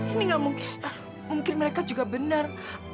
ini gak mungkin lah mungkin mereka juga benar